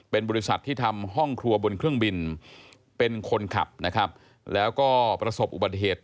เป็นบริษัทที่ทำห้องครัวบนเครื่องบินเป็นคนขับนะครับแล้วก็ประสบอุบัติเหตุ